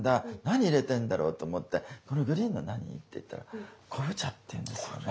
何入れてんだろうと思って「このグリーンの何？」って言ったら「昆布茶」って言うんですよね。